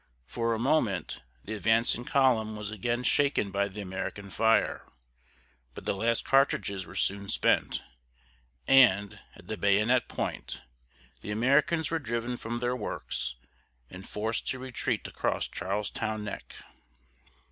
For a moment, the advancing column was again shaken by the American fire, but the last cartridges were soon spent, and, at the bayonet point, the Americans were driven from their works and forced to retreat across Charlestown neck.